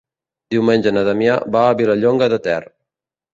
Diumenge na Damià va a Vilallonga de Ter.